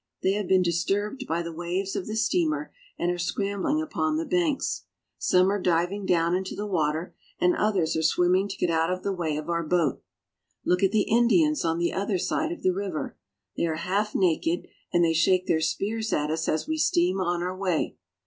They have been disturbed by the waves of the steamer and are scrambling upon the banks. Some are diving down into the water, and others are swimming to get out of the way of our boat. Look at the Indians on the other side of the river. They are half naked, and they shake their spears at us as we steam on our way.